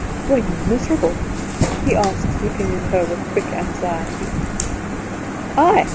"Were you miserable?" he asked, looking at her with quick anxiety. "I?